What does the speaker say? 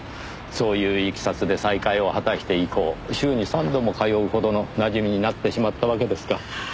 そういういきさつで再会を果たして以降週に３度も通うほどのなじみになってしまったわけですか。